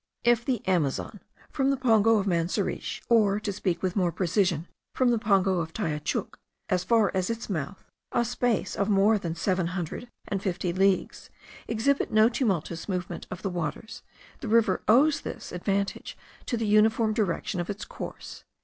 If the Amazon, from the pongo of Manseriche (or, to speak with more precision, from the pongo of Tayuchuc) as far as its mouth, a space of more than seven hundred and fifty leagues, exhibit no tumultuous movement of the waters, the river owes this advantage to the uniform direction of its course.